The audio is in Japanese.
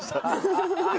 ハハハハ。